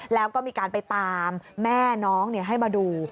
แล้วก็มีการไปตามแม่น้องให้มาดู